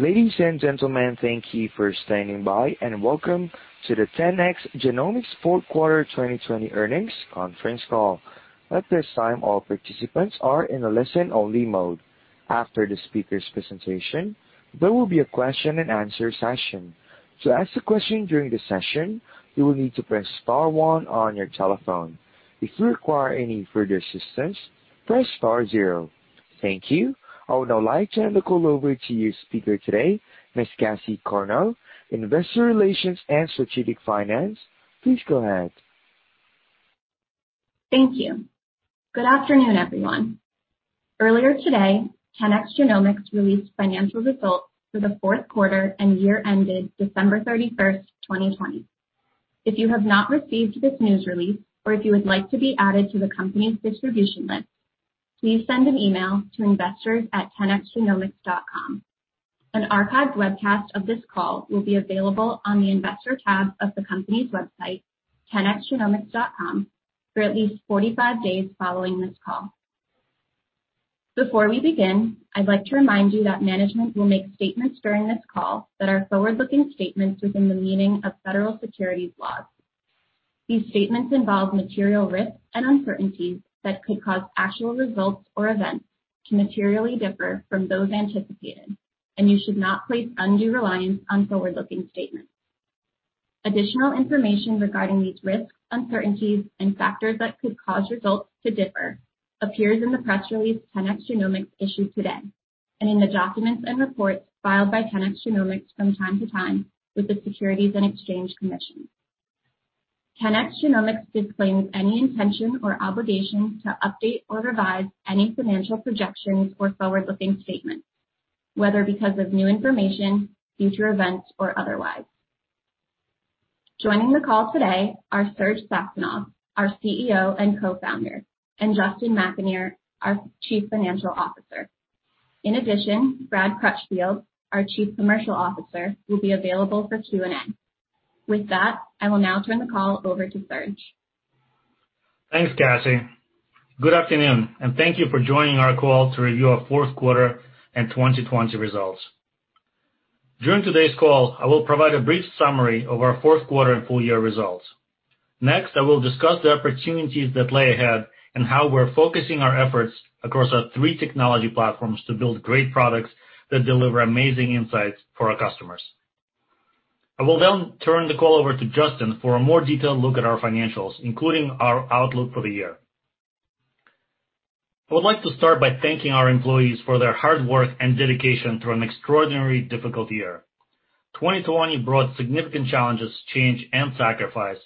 Ladies and gentlemen, thank you for standing by, and welcome to the 10x Genomics fourth quarter 2020 earnings conference call. At this time, all participants are in a listen only mode. After the speaker's presentation, there will be a question-and-answer session. To ask a question during the session, you will need to press star one on your telephone. If you require any further assistance, press star zero. Thank you. I would now like to hand the call over to your speaker today, Miss Cassie Corneau, Investor Relations and Strategic Finance. Please go ahead. Thank you. Good afternoon, everyone. Earlier today, 10x Genomics released financial results for the fourth quarter and year ended December 31st, 2020. If you have not received this news release or if you would like to be added to the company's distribution list, please send an email to investors@10xgenomics.com. An archived webcast of this call will be available on the investor tab of the company's website, 10xgenomics.com, for at least 45 days following this call. Before we begin, I'd like to remind you that management will make statements during this call that are forward-looking statements within the meaning of federal securities laws. These statements involve material risks and uncertainties that could cause actual results or events to materially differ from those anticipated. You should not place undue reliance on forward-looking statements. Additional information regarding these risks, uncertainties and factors that could cause results to differ appears in the press release 10x Genomics issued today and in the documents and reports filed by 10x Genomics from time to time with the Securities and Exchange Commission. 10x Genomics disclaims any intention or obligation to update or revise any financial projections or forward-looking statements, whether because of new information, future events, or otherwise. Joining the call today are Serge Saxonov, our CEO and Co-founder, and Justin McAnear, our Chief Financial Officer. In addition, Brad Crutchfield, our Chief Commercial Officer, will be available for Q&A. With that, I will now turn the call over to Serge. Thanks, Cassie. Good afternoon, and thank you for joining our call to review our fourth quarter and 2020 results. During today's call, I will provide a brief summary of our fourth quarter and full year results. I will discuss the opportunities that lay ahead and how we're focusing our efforts across our three technology platforms to build great products that deliver amazing insights for our customers. I will then turn the call over to Justin for a more detailed look at our financials, including our outlook for the year. I would like to start by thanking our employees for their hard work and dedication through an extraordinarily difficult year. 2020 brought significant challenges, change and sacrifice,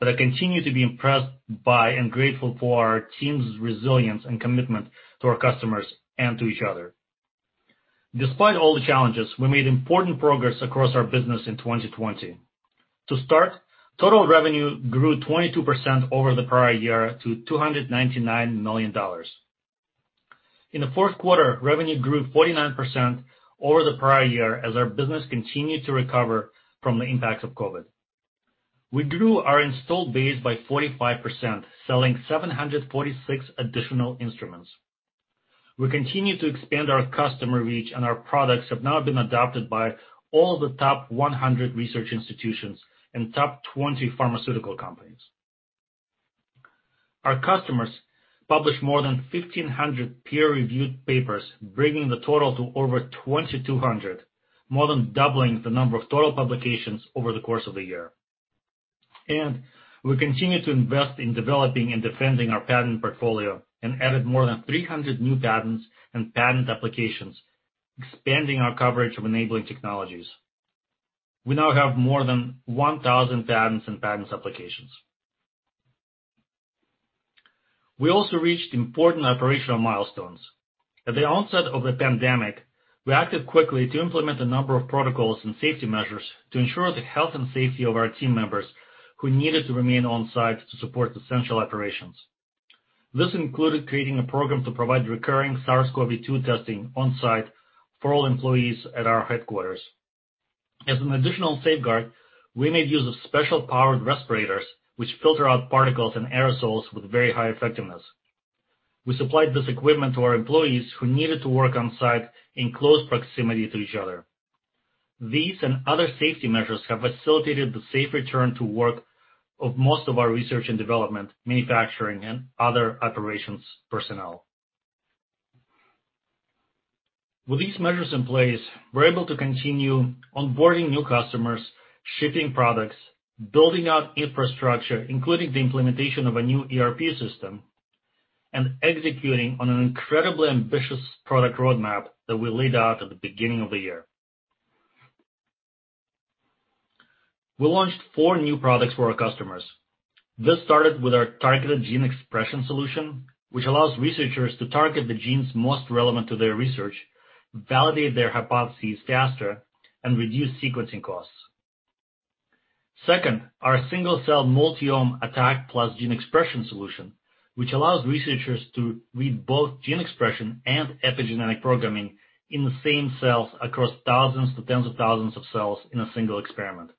but I continue to be impressed by and grateful for our team's resilience and commitment to our customers and to each other. Despite all the challenges, we made important progress across our business in 2020. To start, total revenue grew 22% over the prior year to $299 million. In the fourth quarter, revenue grew 49% over the prior year as our business continued to recover from the impacts of COVID. We grew our installed base by 45%, selling 746 additional instruments. Our products have now been adopted by all the top 100 research institutions and top 20 pharmaceutical companies. Our customers published more than 1,500 peer-reviewed papers, bringing the total to over 2,200, more than doubling the number of total publications over the course of the year. We continue to invest in developing and defending our patent portfolio and added more than 300 new patents and patent applications, expanding our coverage of enabling technologies. We now have more than 1,000 patents and patents applications. We also reached important operational milestones. At the onset of the pandemic, we acted quickly to implement a number of protocols and safety measures to ensure the health and safety of our team members who needed to remain on-site to support essential operations. This included creating a program to provide recurring SARS-CoV-2 testing on-site for all employees at our headquarters. As an additional safeguard, we made use of special powered respirators, which filter out particles and aerosols with very high effectiveness. We supplied this equipment to our employees who needed to work on-site in close proximity to each other. These and other safety measures have facilitated the safe return to work of most of our research and development, manufacturing, and other operations personnel. With these measures in place, we're able to continue onboarding new customers, shipping products, building out infrastructure, including the implementation of a new ERP system, and executing on an incredibly ambitious product roadmap that we laid out at the beginning of the year. We launched four new products for our customers. This started with our Targeted Gene Expression solution, which allows researchers to target the genes most relevant to their research, validate their hypotheses faster, and reduce sequencing costs. Second, our Single Cell Multiome ATAC + Gene Expression solution, which allows researchers to read both gene expression and epigenetic programming in the same cells across thousands to tens of thousands of cells in a single experiment.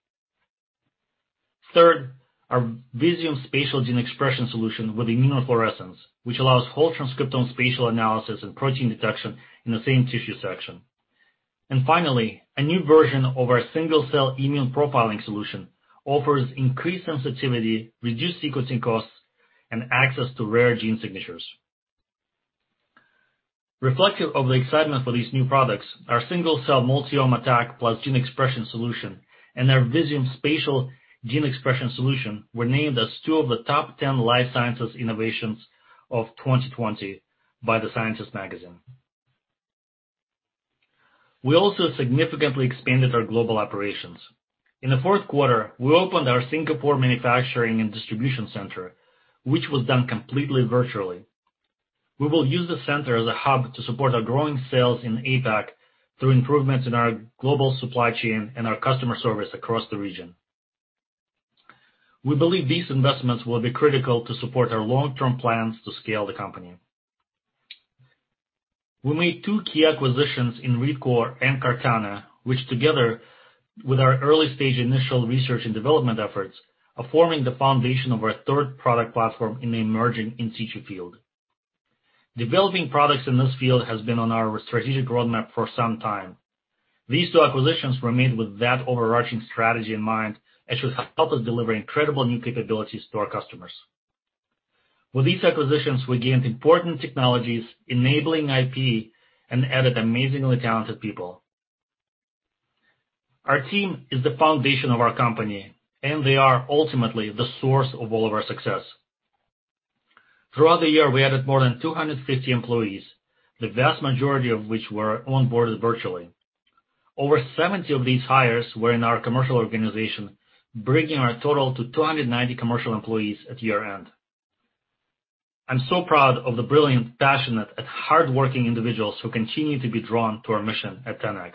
Third, our Visium Spatial Gene Expression solution with immunofluorescence, which allows whole transcriptome spatial analysis and protein detection in the same tissue section. Finally, a new version of our single-cell immune profiling solution offers increased sensitivity, reduced sequencing costs, and access to rare gene signatures. Reflective of the excitement for these new products, our Single Cell Multiome ATAC plus Gene Expression solution and our Visium Spatial Gene Expression solution were named as two of the top 10 life sciences innovations of 2020 by The Scientist magazine. We also significantly expanded our global operations. In the fourth quarter, we opened our Singapore manufacturing and distribution center, which was done completely virtually. We will use the center as a hub to support our growing sales in APAC through improvements in our global supply chain and our customer service across the region. We believe these investments will be critical to support our long-term plans to scale the company. We made two key acquisitions in ReadCoor and CartaNA, which together with our early-stage initial research and development efforts, are forming the foundation of our third product platform in the emerging in situ field. Developing products in this field has been on our strategic roadmap for some time. These two acquisitions were made with that overarching strategy in mind and should help us deliver incredible new capabilities to our customers. With these acquisitions, we gained important technologies enabling IP and added amazingly talented people. Our team is the foundation of our company, and they are ultimately the source of all of our success. Throughout the year, we added more than 250 employees, the vast majority of which were onboarded virtually. Over 70 of these hires were in our commercial organization, bringing our total to 290 commercial employees at year-end. I'm so proud of the brilliant, passionate, and hardworking individuals who continue to be drawn to our mission at 10x.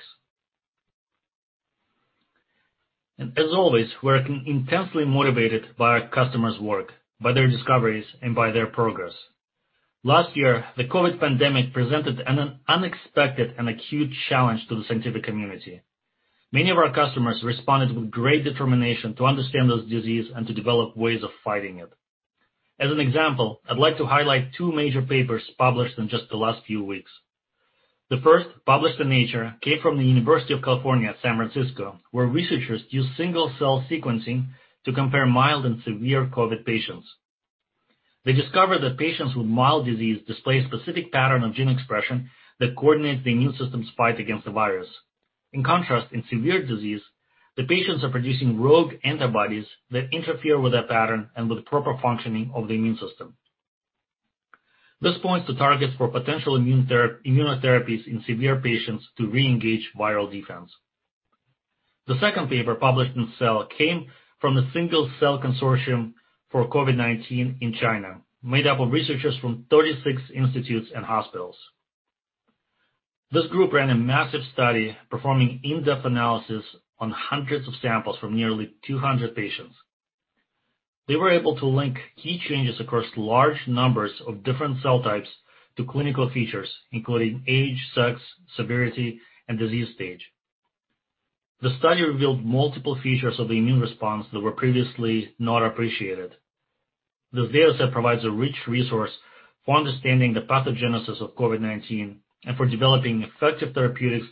As always, we're intensely motivated by our customers' work, by their discoveries, and by their progress. Last year, the COVID pandemic presented an unexpected and acute challenge to the scientific community. Many of our customers responded with great determination to understand this disease and to develop ways of fighting it. As an example, I'd like to highlight two major papers published in just the last few weeks. The first, published in Nature, came from the University of California, San Francisco, where researchers used single-cell sequencing to compare mild and severe COVID patients. They discovered that patients with mild disease display a specific pattern of gene expression that coordinates the immune system's fight against the virus. In contrast, in severe disease, the patients are producing rogue antibodies that interfere with that pattern and with proper functioning of the immune system. This points to targets for potential immunotherapies in severe patients to reengage viral defense. The second paper, published in Cell, came from the Single Cell Consortium for COVID-19 in China, made up of researchers from 36 institutes and hospitals. This group ran a massive study performing in-depth analysis on hundreds of samples from nearly 200 patients. They were able to link key changes across large numbers of different cell types to clinical features, including age, sex, severity, and disease stage. The study revealed multiple features of the immune response that were previously not appreciated. This data set provides a rich resource for understanding the pathogenesis of COVID-19 and for developing effective therapeutic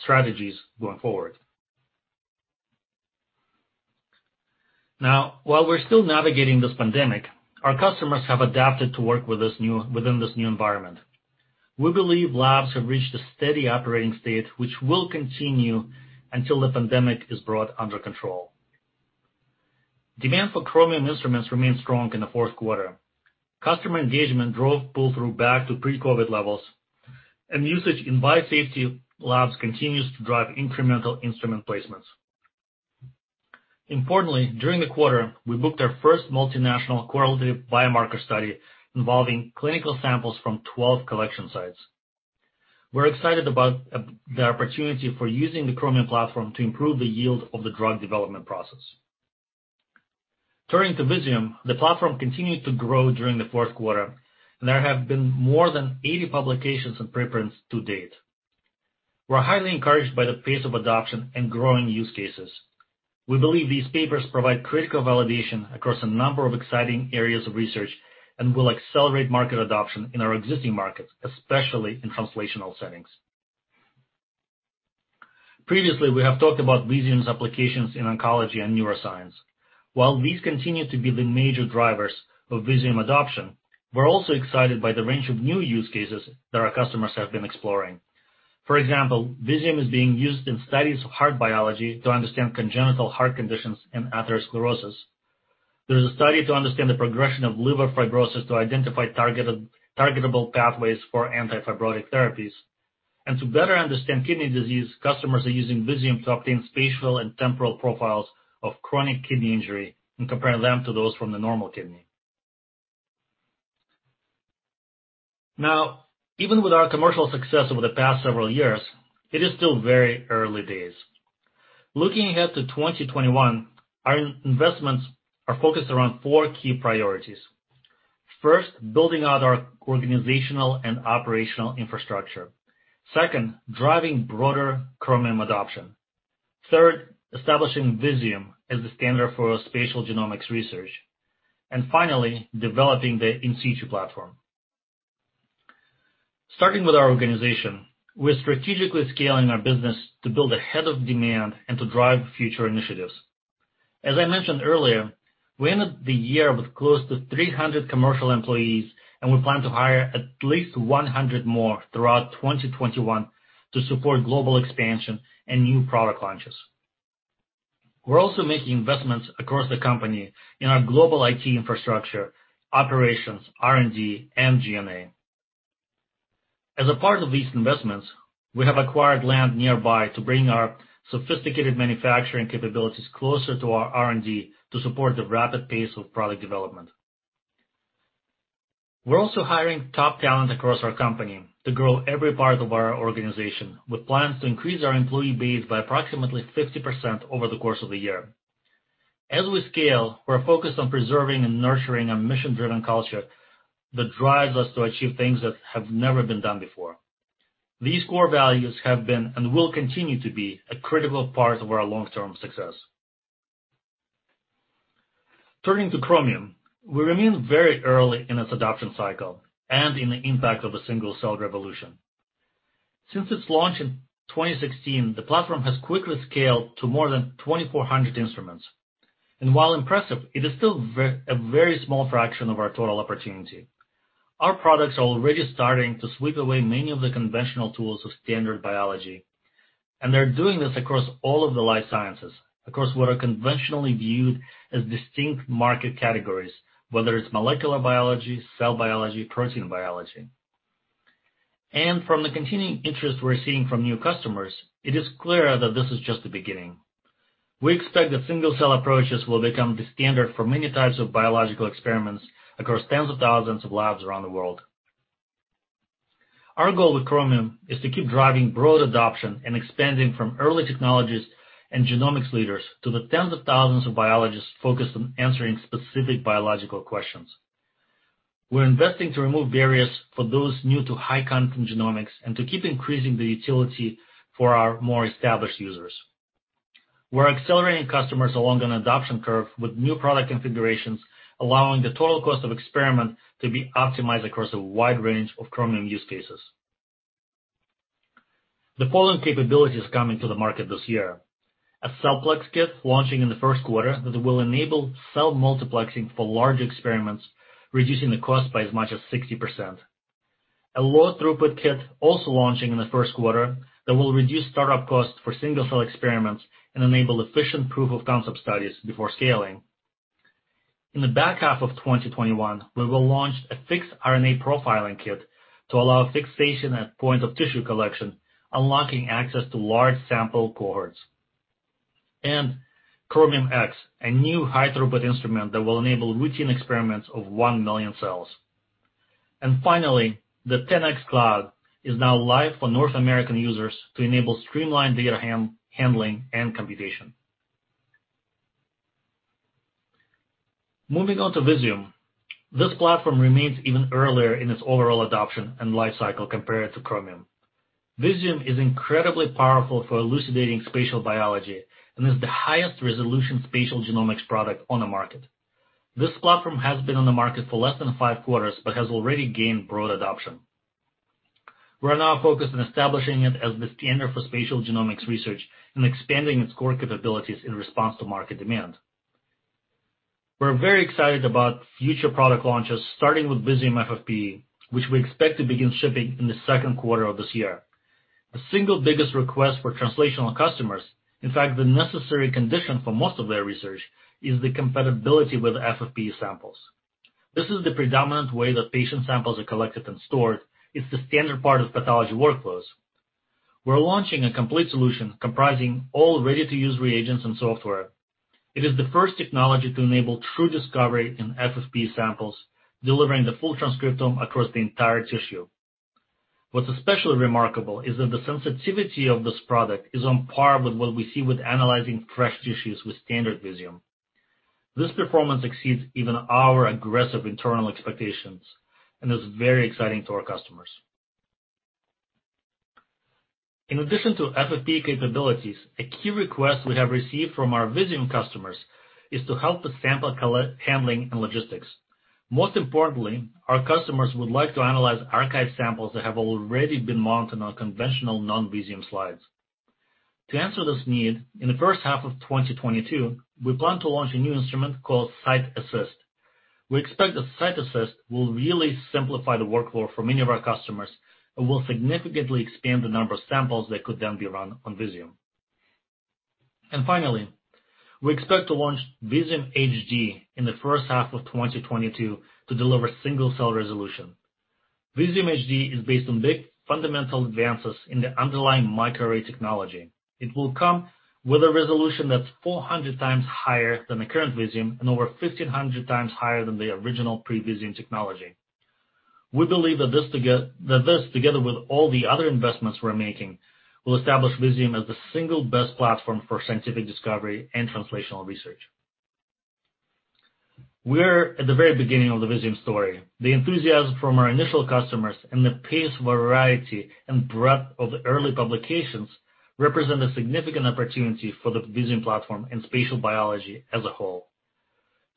strategies going forward. While we're still navigating this pandemic, our customers have adapted to work within this new environment. We believe labs have reached a steady operating state, which will continue until the pandemic is brought under control. Demand for Chromium instruments remained strong in the fourth quarter. Customer engagement drove pull-through back to pre-COVID levels, and usage in biosafety labs continues to drive incremental instrument placements. Importantly, during the quarter, we booked our first multinational correlative biomarker study involving clinical samples from 12 collection sites. We're excited about the opportunity for using the Chromium platform to improve the yield of the drug development process. Turning to Visium, the platform continued to grow during the fourth quarter, and there have been more than 80 publications and preprints to date. We're highly encouraged by the pace of adoption and growing use cases. We believe these papers provide critical validation across a number of exciting areas of research and will accelerate market adoption in our existing markets, especially in translational settings. Previously, we have talked about Visium's applications in oncology and neuroscience. While these continue to be the major drivers of Visium adoption, we're also excited by the range of new use cases that our customers have been exploring. Visium is being used in studies of heart biology to understand congenital heart conditions and atherosclerosis. There is a study to understand the progression of liver fibrosis to identify targetable pathways for anti-fibrotic therapies. To better understand kidney disease, customers are using Visium to obtain spatial and temporal profiles of chronic kidney injury and comparing them to those from the normal kidney. Even with our commercial success over the past several years, it is still very early days. Looking ahead to 2021, our investments are focused around four key priorities. First, building out our organizational and operational infrastructure. Second, driving broader Chromium adoption. Third, establishing Visium as the standard for spatial genomics research. Finally, developing the in situ platform. Starting with our organization, we're strategically scaling our business to build ahead of demand and to drive future initiatives. As I mentioned earlier, we ended the year with close to 300 commercial employees, and we plan to hire at least 100 more throughout 2021 to support global expansion and new product launches. We're also making investments across the company in our global IT infrastructure, operations, R&D, and G&A. As a part of these investments, we have acquired land nearby to bring our sophisticated manufacturing capabilities closer to our R&D to support the rapid pace of product development. We're also hiring top talent across our company to grow every part of our organization, with plans to increase our employee base by approximately 50% over the course of the year. As we scale, we're focused on preserving and nurturing a mission-driven culture that drives us to achieve things that have never been done before. These core values have been and will continue to be a critical part of our long-term success. Turning to Chromium, we remain very early in its adoption cycle and in the impact of a single-cell revolution. Since its launch in 2016, the platform has quickly scaled to more than 2,400 instruments. While impressive, it is still a very small fraction of our total opportunity. Our products are already starting to sweep away many of the conventional tools of standard biology, and they're doing this across all of the life sciences, across what are conventionally viewed as distinct market categories, whether it's molecular biology, cell biology, protein biology. From the continuing interest we're seeing from new customers, it is clear that this is just the beginning. We expect that single-cell approaches will become the standard for many types of biological experiments across tens of thousands of labs around the world. Our goal with Chromium is to keep driving broad adoption and expanding from early technologies and genomics leaders to the tens of thousands of biologists focused on answering specific biological questions. We're investing to remove barriers for those new to high-content genomics and to keep increasing the utility for our more established users. We're accelerating customers along an adoption curve with new product configurations, allowing the total cost of experiment to be optimized across a wide range of Chromium use cases. The following capabilities coming to the market this year. A CellPlex kit launching in the first quarter that will enable cell multiplexing for large experiments, reducing the cost by as much as 60%. A low-throughput kit also launching in the first quarter that will reduce startup costs for single-cell experiments and enable efficient proof-of-concept studies before scaling. In the back half of 2021, we will launch a fixed RNA profiling kit to allow fixation at point of tissue collection, unlocking access to large sample cohorts. Chromium X, a new high-throughput instrument that will enable routine experiments of one million cells. Finally, the 10x Cloud is now live for North American users to enable streamlined data handling and computation. Moving on to Visium. This platform remains even earlier in its overall adoption and life cycle compared to Chromium. Visium is incredibly powerful for elucidating spatial biology and is the highest resolution spatial genomics product on the market. This platform has been on the market for less than five quarters but has already gained broad adoption. We are now focused on establishing it as the standard for spatial genomics research and expanding its core capabilities in response to market demand. We're very excited about future product launches starting with Visium FFPE, which we expect to begin shipping in the second quarter of this year. The single biggest request for translational customers, in fact, the necessary condition for most of their research, is the compatibility with FFPE samples. This is the predominant way that patient samples are collected and stored. It's the standard part of pathology workflows. We're launching a complete solution comprising all ready-to-use reagents and software. It is the first technology to enable true discovery in FFPE samples, delivering the full transcriptome across the entire tissue. What's especially remarkable is that the sensitivity of this product is on par with what we see with analyzing fresh tissues with standard Visium. This performance exceeds even our aggressive internal expectations and is very exciting to our customers. In addition to FFPE capabilities, a key request we have received from our Visium customers is to help with sample handling and logistics. Most importantly, our customers would like to analyze archived samples that have already been mounted on conventional non-Visium slides. To answer this need, in the first half of 2022, we plan to launch a new instrument called CytAssist. We expect that CytAssist will really simplify the workflow for many of our customers and will significantly expand the number of samples that could then be run on Visium. Finally, we expect to launch Visium HD in the first half of 2022 to deliver single-cell resolution. Visium HD is based on big fundamental advances in the underlying microarray technology. It will come with a resolution that is 400x higher than the current Visium and over 1,500x higher than the original pre-Visium technology. We believe that this, together with all the other investments we are making, will establish Visium as the single best platform for scientific discovery and translational research. We are at the very beginning of the Visium story. The enthusiasm from our initial customers and the pace, variety, and breadth of early publications represent a significant opportunity for the Visium platform and spatial biology as a whole.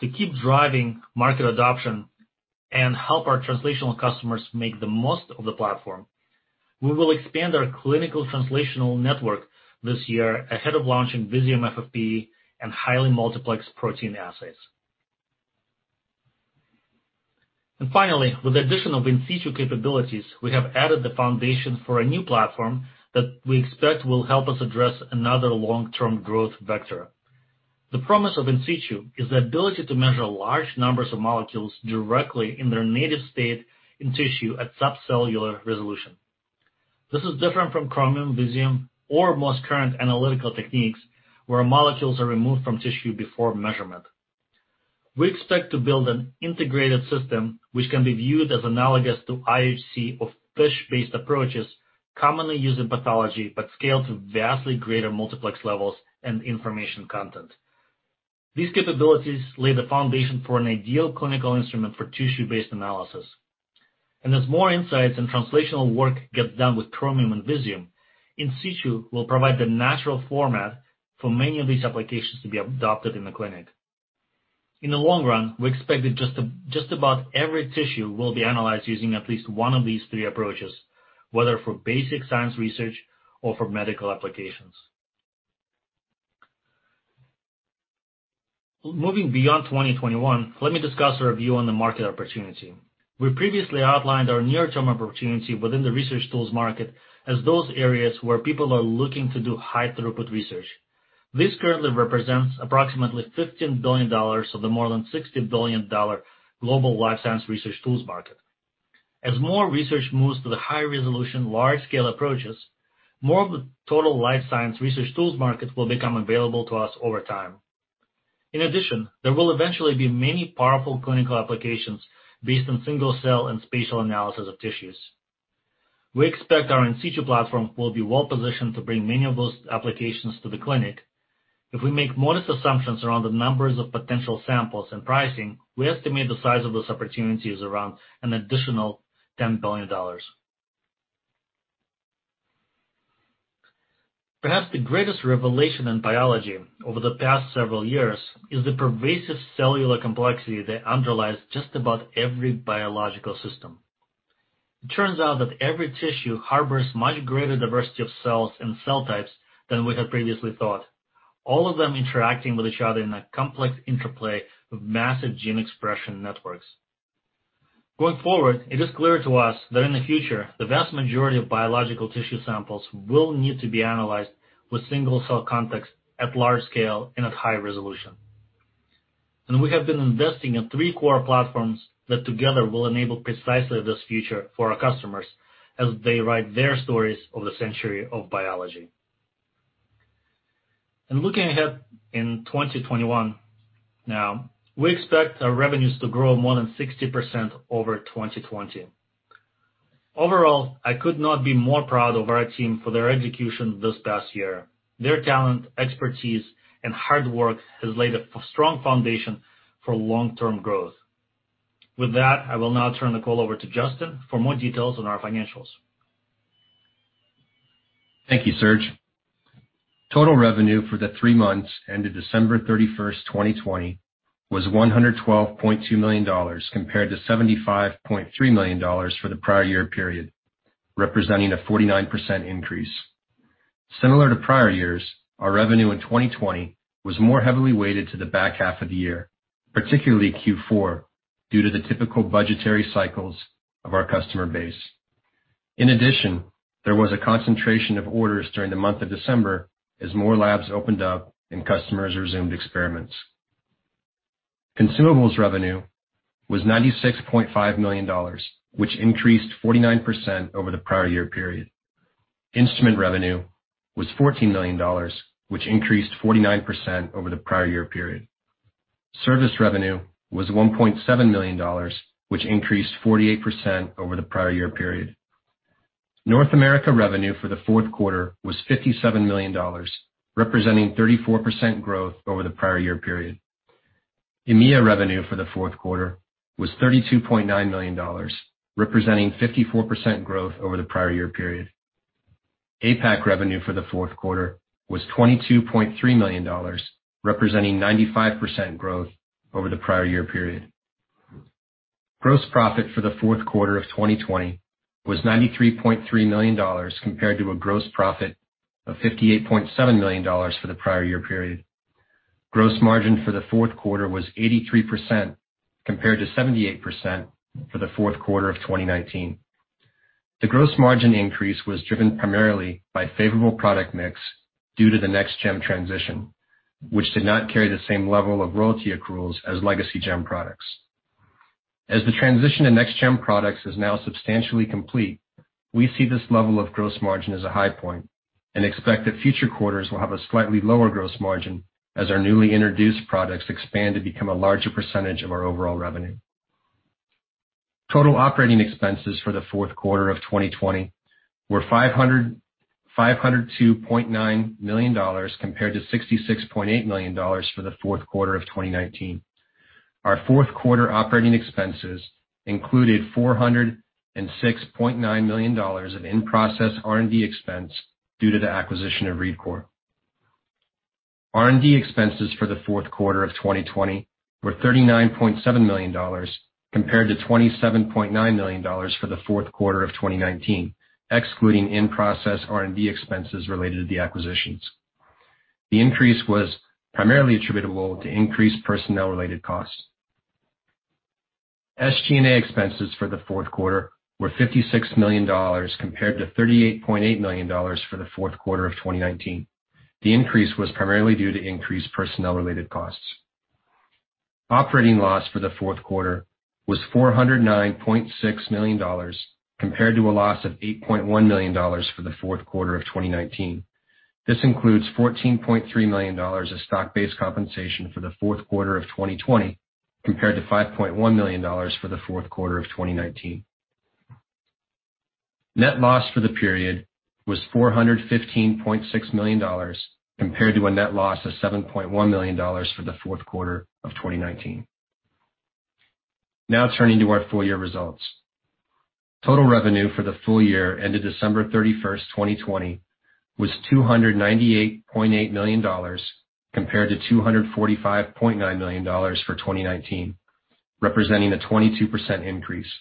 To keep driving market adoption and help our translational customers make the most of the platform, we will expand our clinical translational network this year ahead of launching Visium FFPE and highly multiplexed protein assays. Finally, with the addition of in situ capabilities, we have added the foundation for a new platform that we expect will help us address another long-term growth vector. The promise of in situ is the ability to measure large numbers of molecules directly in their native state in tissue at sub-cellular resolution. This is different from Chromium, Visium, or most current analytical techniques, where molecules are removed from tissue before measurement. We expect to build an integrated system, which can be viewed as analogous to IHC or FISH-based approaches commonly used in pathology, but scaled to vastly greater multiplex levels and information content. These capabilities lay the foundation for an ideal clinical instrument for tissue-based analysis. As more insights and translational work gets done with Chromium and Visium, in situ will provide the natural format for many of these applications to be adopted in the clinic. In the long run, we expect that just about every tissue will be analyzed using at least one of these three approaches, whether for basic science research or for medical applications. Moving beyond 2021, let me discuss our view on the market opportunity. We previously outlined our near-term opportunity within the research tools market as those areas where people are looking to do high throughput research. This currently represents approximately $15 billion of the more than $60 billion global life science research tools market. As more research moves to the high-resolution, large-scale approaches, more of the total life science research tools market will become available to us over time. In addition, there will eventually be many powerful clinical applications based on single-cell and spatial analysis of tissues. We expect our in situ platform will be well positioned to bring many of those applications to the clinic. If we make modest assumptions around the numbers of potential samples and pricing, we estimate the size of this opportunity is around an additional $10 billion. Perhaps the greatest revelation in biology over the past several years is the pervasive cellular complexity that underlies just about every biological system. It turns out that every tissue harbors much greater diversity of cells and cell types than we had previously thought, all of them interacting with each other in a complex interplay of massive gene expression networks. Going forward, it is clear to us that in the future, the vast majority of biological tissue samples will need to be analyzed with single-cell context at large scale and at high resolution. We have been investing in three core platforms that together will enable precisely this future for our customers as they write their stories of the century of biology. Looking ahead in 2021 now, we expect our revenues to grow more than 60% over 2020. Overall, I could not be more proud of our team for their execution this past year. Their talent, expertise, and hard work has laid a strong foundation for long-term growth. With that, I will now turn the call over to Justin for more details on our financials. Thank you, Serge. Total revenue for the three months ended December 31st, 2020, was $112.2 million, compared to $75.3 million for the prior year period, representing a 49% increase. Similar to prior years, our revenue in 2020 was more heavily weighted to the back half of the year, particularly Q4, due to the typical budgetary cycles of our customer base. In addition, there was a concentration of orders during the month of December as more labs opened up and customers resumed experiments. Consumables revenue was $96.5 million, which increased 49% over the prior year period. Instrument revenue was $14 million, which increased 49% over the prior year period. Service revenue was $1.7 million, which increased 48% over the prior year period. North America revenue for the fourth quarter was $57 million, representing 34% growth over the prior year period. EMEA revenue for the fourth quarter was $32.9 million, representing 54% growth over the prior year period. APAC revenue for the fourth quarter was $22.3 million, representing 95% growth over the prior year period. Gross profit for the fourth quarter of 2020 was $93.3 million, compared to a gross profit of $58.7 million for the prior year period. Gross margin for the fourth quarter was 83%, compared to 78% for the fourth quarter of 2019. The gross margin increase was driven primarily by favorable product mix due to the Next GEM transition, which did not carry the same level of royalty accruals as Legacy GEM products. The transition to Next GEM products is now substantially complete. We see this level of gross margin as a high point and expect that future quarters will have a slightly lower gross margin as our newly introduced products expand to become a larger percentage of our overall revenue. Total operating expenses for the fourth quarter of 2020 were $502.9 million compared to $66.8 million for the fourth quarter of 2019. Our fourth quarter operating expenses included $406.9 million of in-process R&D expense due to the acquisition of ReadCoor. R&D expenses for the fourth quarter of 2020 were $39.7 million, compared to $27.9 million for the fourth quarter of 2019, excluding in-process R&D expenses related to the acquisitions. The increase was primarily attributable to increased personnel-related costs. SG&A expenses for the fourth quarter were $56 million compared to $38.8 million for the fourth quarter of 2019. The increase was primarily due to increased personnel-related costs. Operating loss for the fourth quarter was $409.6 million, compared to a loss of $8.1 million for the fourth quarter of 2019. This includes $14.3 million of stock-based compensation for the fourth quarter of 2020, compared to $5.1 million for the fourth quarter of 2019. Net loss for the period was $415.6 million, compared to a net loss of $7.1 million for the fourth quarter of 2019. Now turning to our full-year results. Total revenue for the full year ended December 31st, 2020, was $298.8 million, compared to $245.9 million for 2019, representing a 22% increase.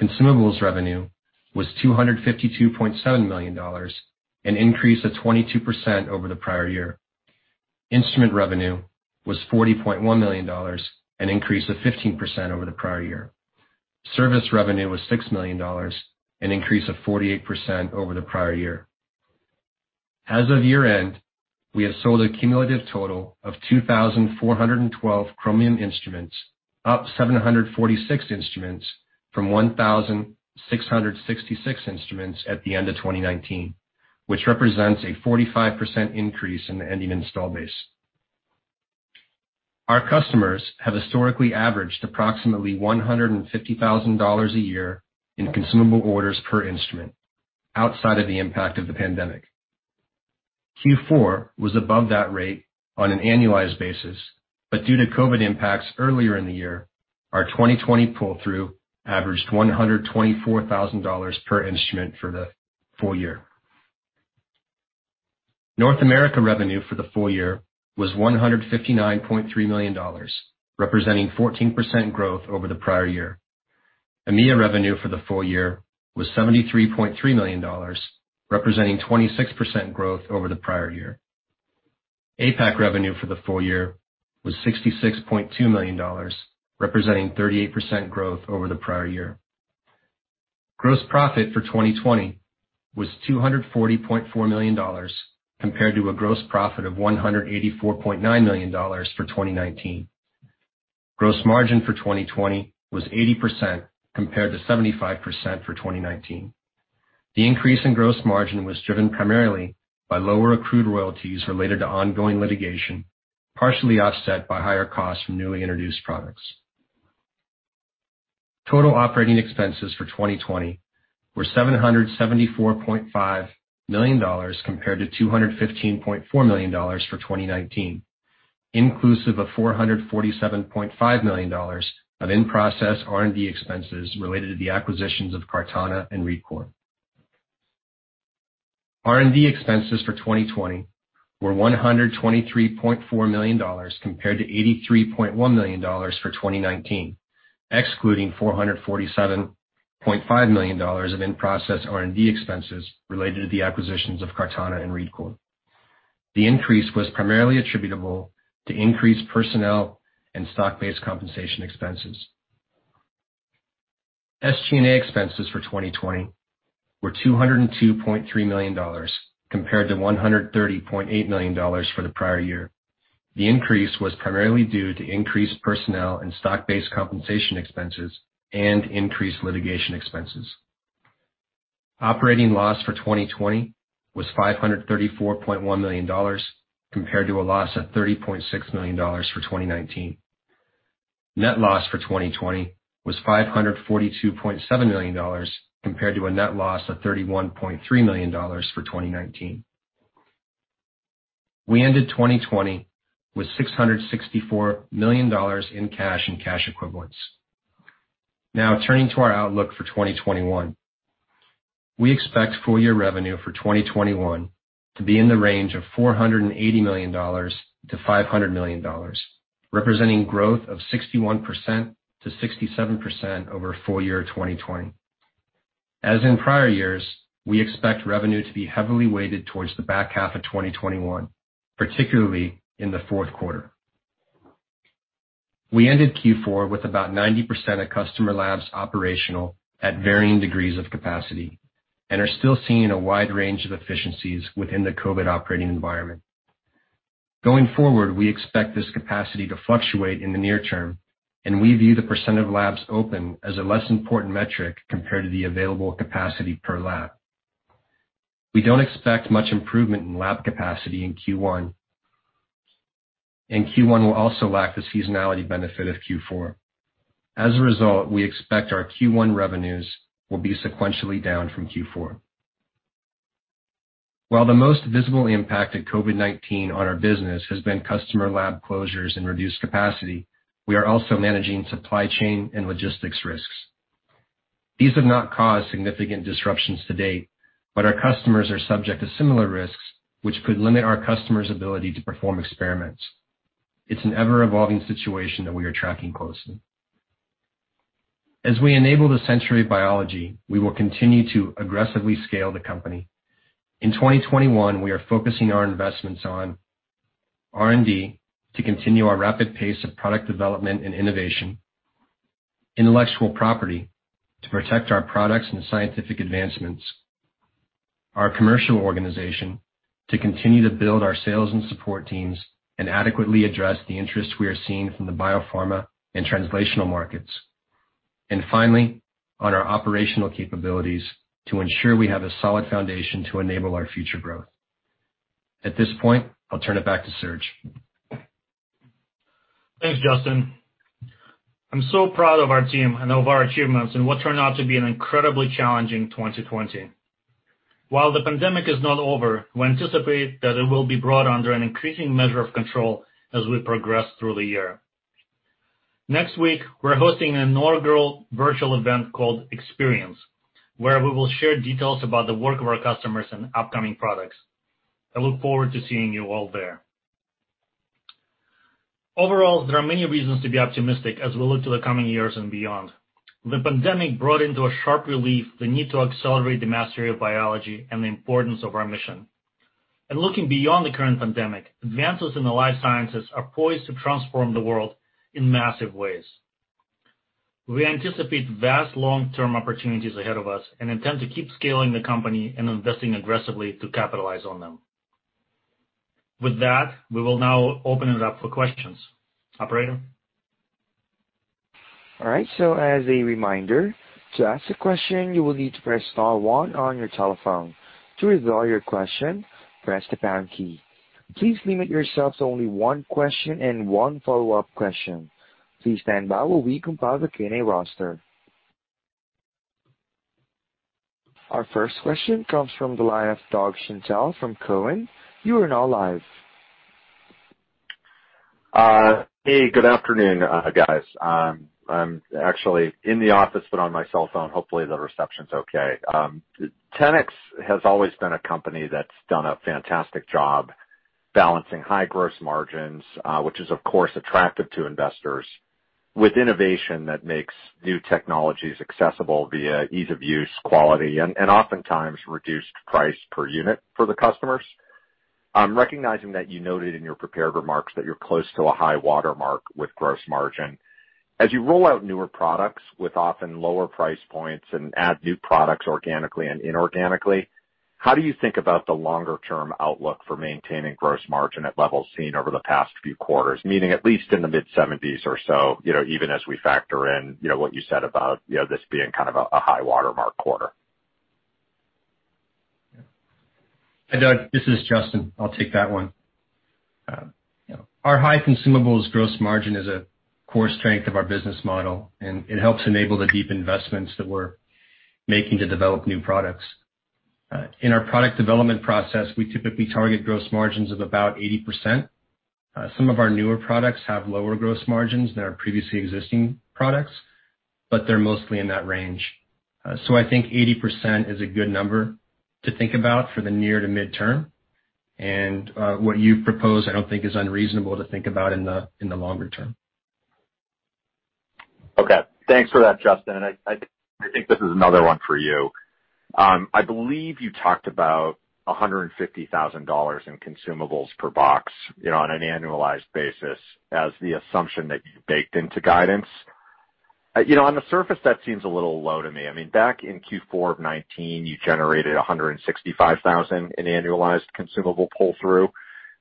Consumables revenue was $252.7 million, an increase of 22% over the prior year. Instrument revenue was $40.1 million, an increase of 15% over the prior year. Service revenue was $6 million, an increase of 48% over the prior year. As of year-end, we have sold a cumulative total of 2,412 Chromium instruments, up 746 instruments from 1,666 instruments at the end of 2019, which represents a 45% increase in the ending install base. Our customers have historically averaged approximately $150,000 a year in consumable orders per instrument outside of the impact of the pandemic. Q4 was above that rate on an annualized basis, but due to COVID impacts earlier in the year, our 2020 pull-through averaged $124,000 per instrument for the full year. North America revenue for the full year was $159.3 million, representing 14% growth over the prior year. EMEA revenue for the full year was $73.3 million, representing 26% growth over the prior year. APAC revenue for the full year was $66.2 million, representing 38% growth over the prior year. Gross profit for 2020 was $240.4 million, compared to a gross profit of $184.9 million for 2019. Gross margin for 2020 was 80%, compared to 75% for 2019. The increase in gross margin was driven primarily by lower accrued royalties related to ongoing litigation, partially offset by higher costs from newly introduced products. Total operating expenses for 2020 were $774.5 million compared to $215.4 million for 2019, inclusive of $447.5 million of in-process R&D expenses related to the acquisitions of CartaNA and ReadCoor. R&D expenses for 2020 were $123.4 million compared to $83.1 million for 2019, excluding $447.5 million of in-process R&D expenses related to the acquisitions of CartaNA and ReadCoor. The increase was primarily attributable to increased personnel and stock-based compensation expenses. SG&A expenses for 2020 were $202.3 million compared to $130.8 million for the prior year. The increase was primarily due to increased personnel and stock-based compensation expenses and increased litigation expenses. Operating loss for 2020 was $534.1 million, compared to a loss of $30.6 million for 2019. Net loss for 2020 was $542.7 million, compared to a net loss of $31.3 million for 2019. We ended 2020 with $664 million in cash and cash equivalents. Now turning to our outlook for 2021. We expect full-year revenue for 2021 to be in the range of $480 million-$500 million, representing growth of 61%-67% over full-year 2020. As in prior years, we expect revenue to be heavily weighted towards the back half of 2021, particularly in the fourth quarter. We ended Q4 with about 90% of customer labs operational at varying degrees of capacity and are still seeing a wide range of efficiencies within the COVID operating environment. Going forward, we expect this capacity to fluctuate in the near term, and we view the % of labs open as a less important metric compared to the available capacity per lab. We don't expect much improvement in lab capacity in Q1, and Q1 will also lack the seasonality benefit of Q4. As a result, we expect our Q1 revenues will be sequentially down from Q4. While the most visible impact of COVID-19 on our business has been customer lab closures and reduced capacity, we are also managing supply chain and logistics risks. These have not caused significant disruptions to date, but our customers are subject to similar risks, which could limit our customers' ability to perform experiments. It's an ever-evolving situation that we are tracking closely. As we enable the century of biology, we will continue to aggressively scale the company. In 2021, we are focusing our investments on R&D to continue our rapid pace of product development and innovation, intellectual property to protect our products and scientific advancements, our commercial organization to continue to build our sales and support teams and adequately address the interest we are seeing from the biopharma and translational markets, and finally, on our operational capabilities to ensure we have a solid foundation to enable our future growth. At this point, I'll turn it back to Serge. Thanks, Justin. I'm so proud of our team and of our achievements in what turned out to be an incredibly challenging 2020. While the pandemic is not over, we anticipate that it will be brought under an increasing measure of control as we progress through the year. Next week, we're hosting an inaugural virtual event called Xperience, where we will share details about the work of our customers and upcoming products. I look forward to seeing you all there. Overall, there are many reasons to be optimistic as we look to the coming years and beyond. The pandemic brought into a sharp relief the need to accelerate the mastery of biology and the importance of our mission. Looking beyond the current pandemic, advances in the life sciences are poised to transform the world in massive ways. We anticipate vast long-term opportunities ahead of us and intend to keep scaling the company and investing aggressively to capitalize on them. With that, we will now open it up for questions. Operator? All right, as a reminder, to ask a question, you will need to press star one on your telephone. To withdraw your question, press the pound key. Please limit yourself to only one question and one follow-up question. Please stand by while we compile the Q&A roster. Our first question comes from the line of Doug Schenkel from Cowen. You are now live. Hey, good afternoon, guys. I'm actually in the office, but on my cell phone, hopefully the reception's okay. 10x has always been a company that's done a fantastic job balancing high gross margins, which is of course attractive to investors, with innovation that makes new technologies accessible via ease of use, quality, and oftentimes reduced price per unit for the customers. I'm recognizing that you noted in your prepared remarks that you're close to a high watermark with gross margin. As you roll out newer products with often lower price points and add new products organically and inorganically, how do you think about the longer-term outlook for maintaining gross margin at levels seen over the past few quarters, meaning at least in the mid-70s or so, even as we factor in what you said about this being kind of a high watermark quarter? Hi, Doug. This is Justin. I'll take that one. Our high consumables gross margin is a core strength of our business model, and it helps enable the deep investments that we're making to develop new products. In our product development process, we typically target gross margins of about 80%. Some of our newer products have lower gross margins than our previously existing products, but they're mostly in that range. I think 80% is a good number to think about for the near to midterm, and what you propose, I don't think is unreasonable to think about in the longer term. Okay. Thanks for that, Justin. I think this is another one for you. I believe you talked about $150,000 in consumables per box on an annualized basis as the assumption that you baked into guidance. On the surface, that seems a little low to me. Back in Q4 of 2019, you generated $165,000 in annualized consumable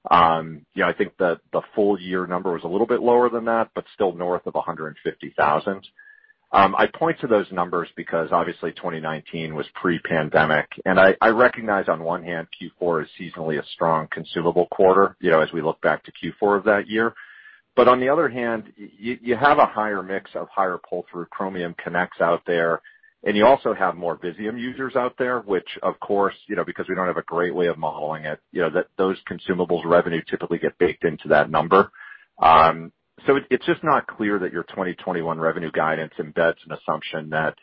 pull-through. I think the full year number was a little bit lower than that, but still north of $150,000. I point to those numbers because obviously 2019 was pre-pandemic. I recognize on one hand Q4 is seasonally a strong consumable quarter, as we look back to Q4 of that year. On the other hand, you have a higher mix of higher pull-through Chromium Connects out there, and you also have more Visium users out there, which of course, because we don't have a great way of modeling it, those consumables revenue typically get baked into that number. It's just not clear that your 2021 revenue guidance embeds an assumption that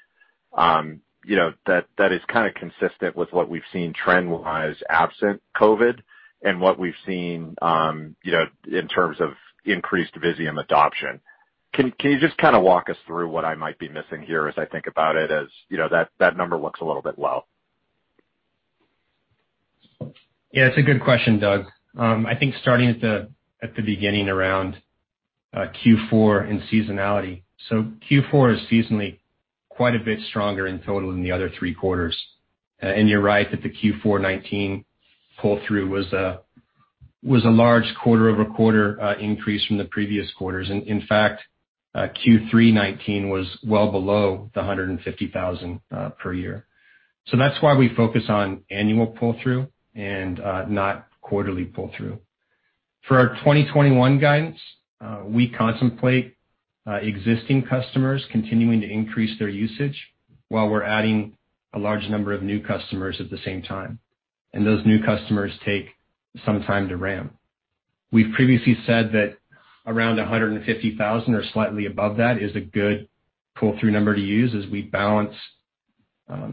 is kind of consistent with what we've seen trend-wise absent COVID and what we've seen in terms of increased Visium adoption. Can you just kind of walk us through what I might be missing here as I think about it, as that number looks a little bit low? It's a good question, Doug. I think starting at the beginning around Q4 and seasonality. Q4 is seasonally quite a bit stronger in total than the other three quarters. You're right that the Q4 2019 pull-through was a large quarter-over-quarter increase from the previous quarters. In fact, Q3 2019 was well below the 150,000 per year. That's why we focus on annual pull-through and not quarterly pull-through. For our 2021 guidance, we contemplate existing customers continuing to increase their usage while we're adding a large number of new customers at the same time, and those new customers take some time to ramp. We've previously said that around 150,000 or slightly above that is a good pull-through number to use as we balance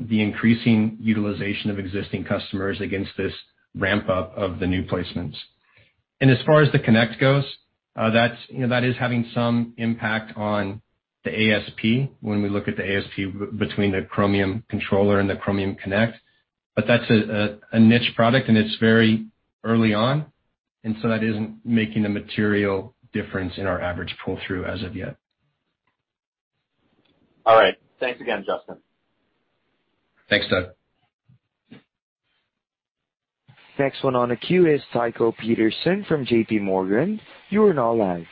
the increasing utilization of existing customers against this ramp-up of the new placements. As far as the Connect goes, that is having some impact on the ASP when we look at the ASP between the Chromium Controller and the Chromium Connect. That's a niche product and it's very early on. That isn't making a material difference in our average pull-through as of yet. All right. Thanks again, Justin. Thanks, Doug. Next one on the queue is Tycho Peterson from JPMorgan. You are now live.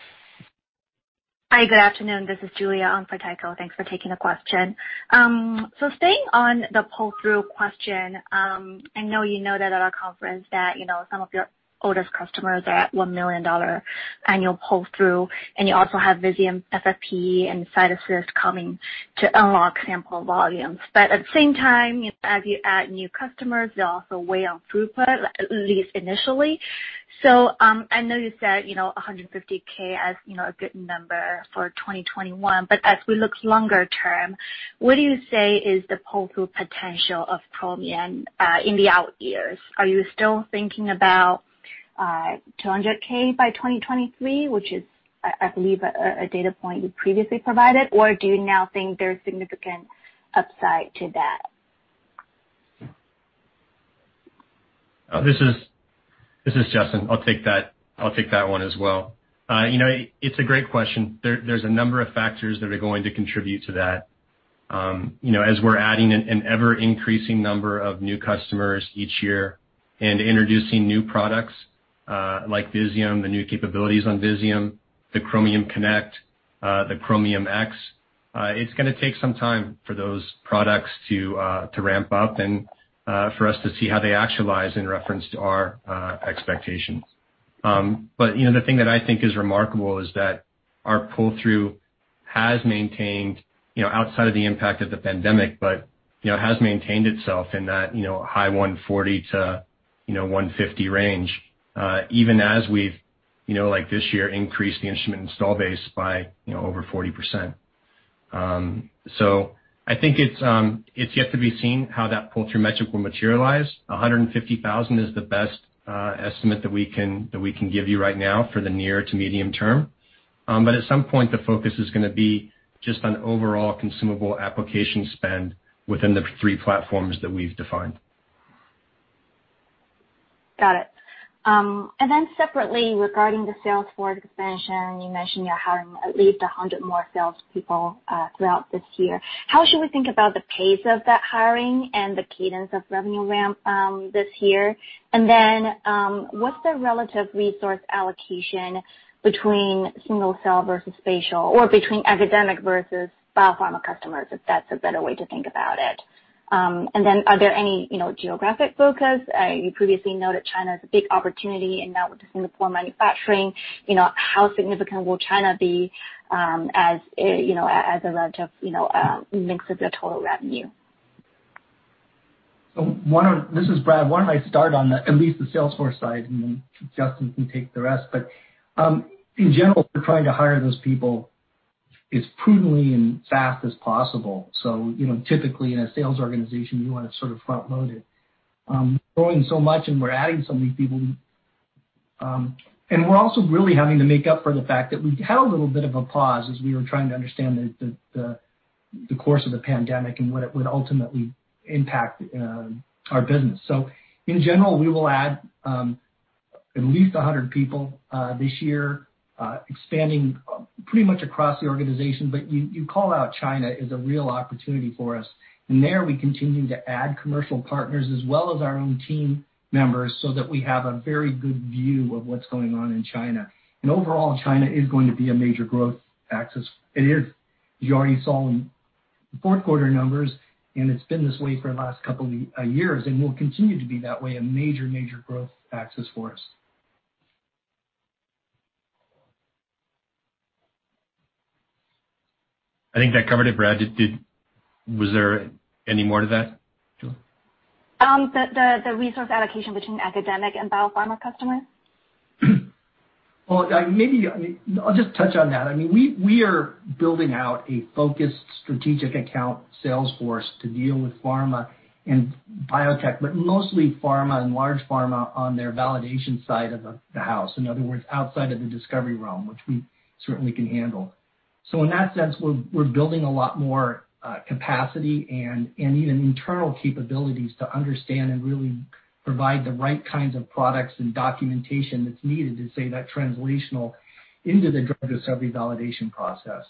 Hi, good afternoon. This is Julia on for Tycho. Thanks for taking the question. Staying on the pull-through question, I know you know that at our conference that some of your oldest customers are at $1 million annual pull-through, and you also have Visium, FFPE and CytAssist coming to unlock sample volumes. At the same time, as you add new customers, they also weigh on throughput, at least initially. I know you said $150,000 as a good number for 2021, but as we look longer term, what do you say is the pull-through potential of Chromium in the out years? Are you still thinking about $200,000 by 2023, which is, I believe, a data point you previously provided, or do you now think there's significant upside to that? This is Justin. I'll take that one as well. It's a great question. There's a number of factors that are going to contribute to that. As we're adding an ever-increasing number of new customers each year and introducing new products, like Visium, the new capabilities on Visium, the Chromium Connect, the Chromium X, it's going to take some time for those products to ramp up and for us to see how they actualize in reference to our expectations. The thing that I think is remarkable is that our pull-through has maintained, outside of the impact of the pandemic, but has maintained itself in that high 140-150 range, even as we've, like this year, increased the instrument install base by over 40%. I think it's yet to be seen how that pull-through metric will materialize. 150,000 is the best estimate that we can give you right now for the near to medium term. At some point, the focus is going to be just on overall consumable application spend within the three platforms that we've defined. Got it. Separately, regarding the sales force expansion, you mentioned you're hiring at least 100 more salespeople throughout this year. How should we think about the pace of that hiring and the cadence of revenue ramp this year? What's the relative resource allocation between single-cell versus spatial, or between academic versus biopharma customers, if that's a better way to think about it. Are there any geographic focus? You previously noted China is a big opportunity and now with the Singapore manufacturing, how significant will China be as a relative mix of the total revenue? This is Brad. Why don't I start on at least the sales force side and then Justin can take the rest. In general, we're trying to hire those people as prudently and fast as possible. Typically in a sales organization, you want to sort of front-load it. We're growing so much and we're adding so many people, and we're also really having to make up for the fact that we had a little bit of a pause as we were trying to understand the course of the pandemic and what it would ultimately impact our business. In general, we will add at least 100 people this year, expanding pretty much across the organization. You call out China as a real opportunity for us, and there we continue to add commercial partners as well as our own team members so that we have a very good view of what's going on in China. Overall, China is going to be a major growth axis. You already saw in the fourth quarter numbers, and it's been this way for the last couple of years and will continue to be that way, a major growth axis for us. I think that covered it, Brad. Was there any more to that, Julia? The resource allocation between academic and biopharma customers? Well, I'll just touch on that. We are building out a focused strategic account sales force to deal with pharma and biotech, but mostly pharma and large pharma on their validation side of the house. In other words, outside of the discovery realm, which we certainly can handle. In that sense, we're building a lot more capacity and even internal capabilities to understand and really provide the right kinds of products and documentation that's needed to see that translational into the drug discovery validation process.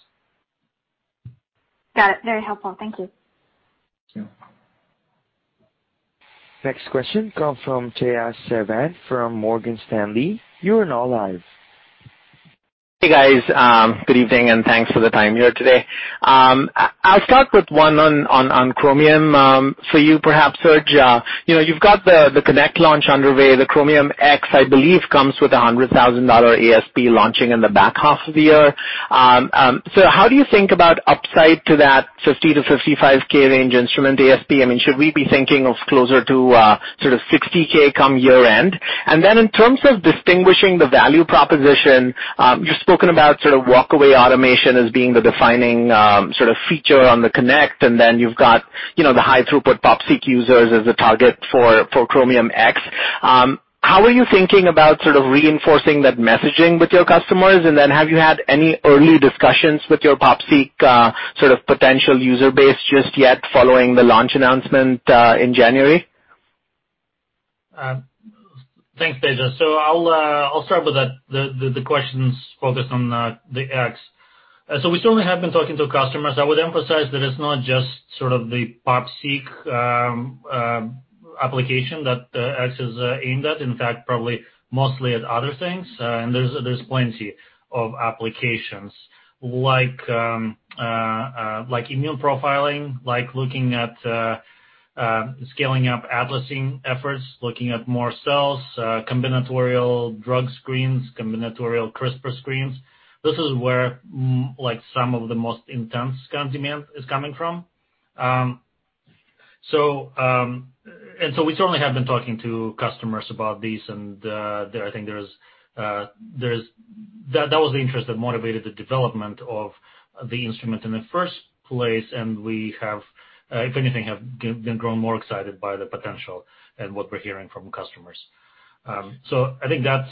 Got it. Very helpful. Thank you. Next question come from Tejas Savant from Morgan Stanley. Hey, guys. Good evening, and thanks for the time here today. I'll start with one on Chromium, for you perhaps, Serge. You've got the Connect launch underway, the Chromium X, I believe, comes with $100,000 ASP launching in the back half of the year. How do you think about upside to that $50K-$55K range instrument ASP? Should we be thinking of closer to sort of $60K come year-end? In terms of distinguishing the value proposition, you've spoken about sort of walkaway automation as being the defining sort of feature on the Connect, and then you've got the high throughput POP-seq users as a target for Chromium X. How are you thinking about sort of reinforcing that messaging with your customers? Have you had any early discussions with your POP-seq sort of potential user base just yet following the launch announcement, in January? Thanks, Tejas. I'll start with the questions focused on the Chromium X. We certainly have been talking to customers. I would emphasize that it's not just sort of the POP-seq application that the Chromium X is aimed at. In fact, probably mostly at other things, and there's plenty of applications like immune profiling, like looking at scaling up atlasing efforts, looking at more cells, combinatorial drug screens, combinatorial CRISPR screens. This is where some of the most intense demand is coming from. We certainly have been talking to customers about these, and I think that was the interest that motivated the development of the instrument in the first place, and we have, if anything, have grown more excited by the potential and what we're hearing from customers. I think that's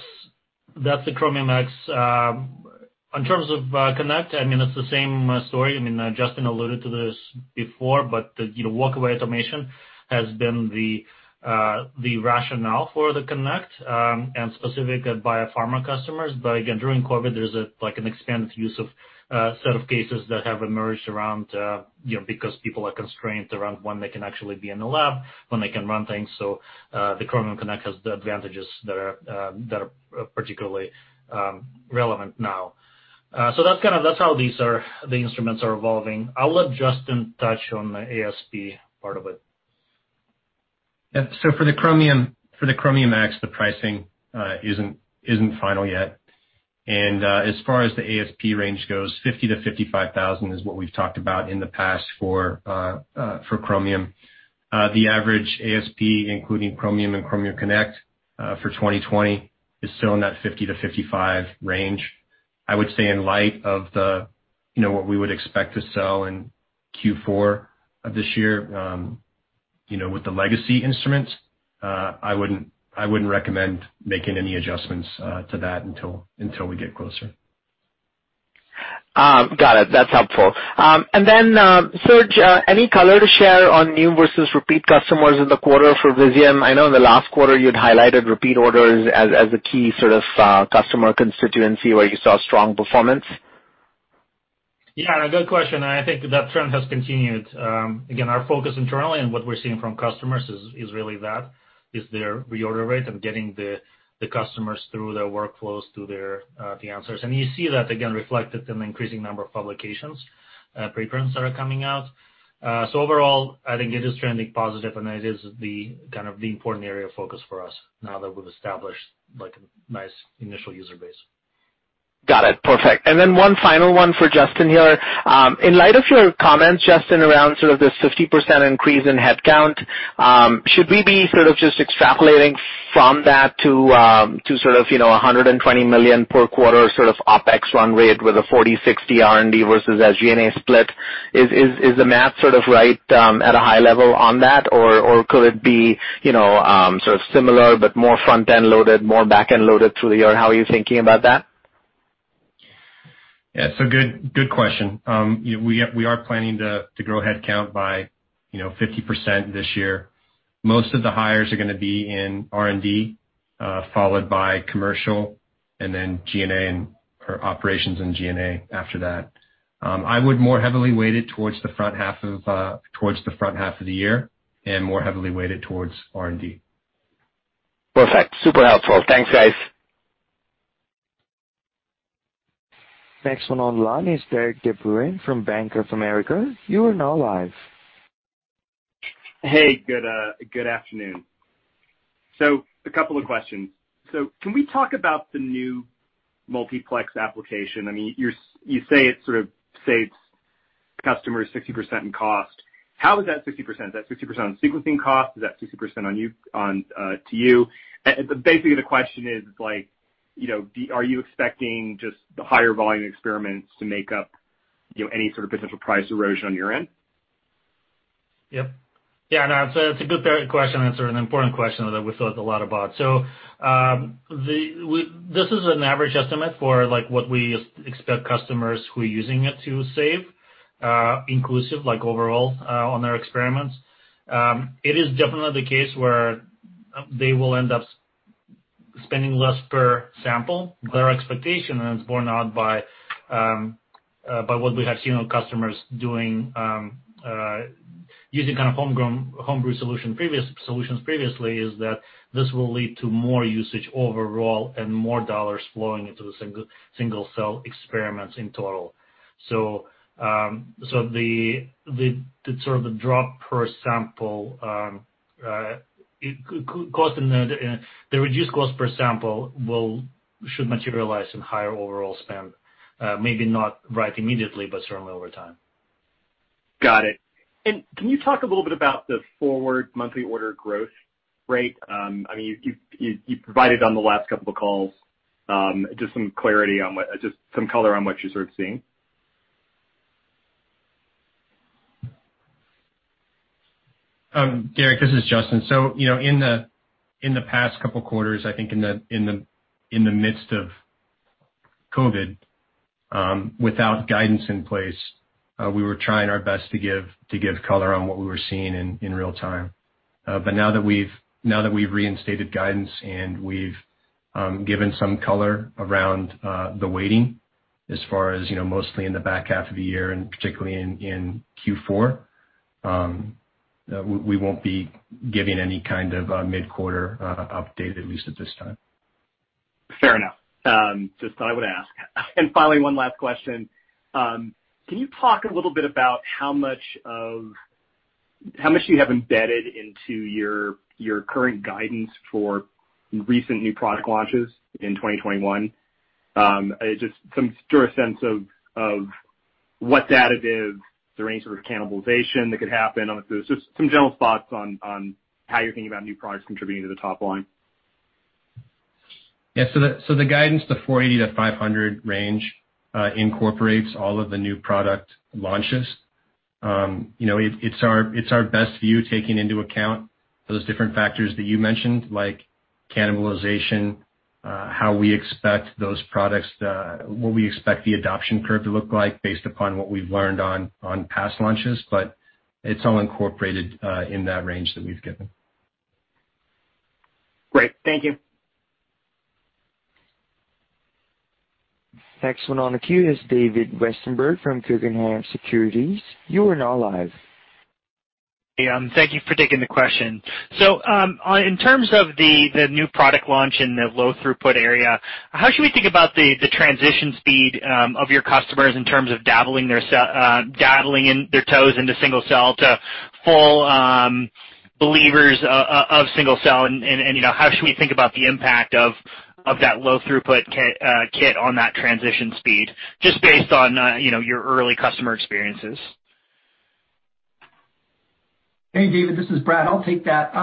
the Chromium X. In terms of Chromium Connect, it's the same story. Justin alluded to this before, but walkaway automation has been the rationale for the Connect, and specific biopharma customers. Again, during COVID, there's an expanded use of set of cases that have emerged around because people are constrained around when they can actually be in the lab, when they can run things. The Chromium Connect has the advantages that are particularly relevant now. That's how the instruments are evolving. I'll let Justin touch on the ASP part of it. Yeah. For the Chromium X, the pricing isn't final yet. As far as the ASP range goes, $50,000-$55,000 is what we've talked about in the past for Chromium. The average ASP, including Chromium and Chromium Connect, for 2020 is still in that $50-$55 range. I would say in light of what we would expect to sell in Q4 of this year with the legacy instruments, I wouldn't recommend making any adjustments to that until we get closer. Got it. That's helpful. Serge, any color to share on new versus repeat customers in the quarter for Visium? I know in the last quarter, you had highlighted repeat orders as a key sort of customer constituency where you saw strong performance. Yeah, good question. I think that trend has continued. Our focus internally and what we're seeing from customers is really that, is their reorder rate of getting the customers through their workflows, through the answers. You see that, again, reflected in the increasing number of publications, preprints that are coming out. Overall, I think it is trending positive, and it is the important area of focus for us now that we've established a nice initial user base. Got it. Perfect. One final one for Justin here. In light of your comments, Justin, around sort of this 50% increase in headcount, should we be sort of just extrapolating from that to sort of $120 million per quarter sort of OpEx run rate with a 40/60 R&D versus G&A split? Is the math sort of right at a high level on that? Could it be sort of similar but more front-end loaded, more back-end loaded through the year? How are you thinking about that? Yeah. Good question. We are planning to grow headcount by 50% this year. Most of the hires are going to be in R&D, followed by commercial and then operations and G&A after that. I would more heavily weight it towards the front half of the year and more heavily weighted towards R&D. Perfect. Super helpful. Thanks, guys. Next one on the line is Derik De Bruin from Bank of America. Hey, good afternoon. A couple of questions. Can we talk about the new multiplex application? You say it sort of saves customers 60% in cost. How is that 60%? Is that 60% on sequencing cost? Is that 60% to you? Basically, the question is are you expecting just the higher volume experiments to make up any sort of potential price erosion on your end? Yep. Yeah, no, it's a good question. It's an important question that we thought a lot about. This is an average estimate for what we expect customers who are using it to save, inclusive, overall, on their experiments. It is definitely the case where they will end up spending less per sample. Their expectation, it's borne out by what we have seen with customers doing, using homegrown, homebrew solutions previously, is that this will lead to more usage overall and more dollars flowing into the single-cell experiments in total. The drop per sample, the reduced cost per sample should materialize in higher overall spend, maybe not right immediately, but certainly over time. Got it. Can you talk a little bit about the forward monthly order growth rate? You've provided on the last couple of calls just some color on what you're seeing? Derik, this is Justin. In the past couple of quarters, I think in the midst of COVID-19, without guidance in place, we were trying our best to give color on what we were seeing in real time. Now that we've reinstated guidance and we've given some color around the weighting as far as mostly in the back half of the year and particularly in Q4, we won't be giving any kind of mid-quarter update, at least at this time. Fair enough. Just thought I would ask. Finally, one last question. Can you talk a little bit about how much you have embedded into your current guidance for recent new product launches in 2021? Just some sense of what's additive, is there any sort of cannibalization that could happen? Just some general thoughts on how you're thinking about new products contributing to the top line? Yeah, the guidance, the $480-$500 range, incorporates all of the new product launches. It's our best view, taking into account those different factors that you mentioned, like cannibalization, what we expect the adoption curve to look like based upon what we've learned on past launches. It's all incorporated in that range that we've given. Great. Thank you. Next one on the queue is David Westenberg from Guggenheim Securities. You are now live. Thank you for taking the question. In terms of the new product launch in the low throughput area, how should we think about the transition speed of your customers in terms of dabbling their toes into single cell to full believers of single cell, and how should we think about the impact of that low throughput kit on that transition speed, just based on your early customer experiences? Hey, David, this is Brad. I'll take that.